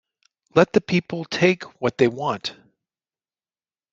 Let the people take what they want.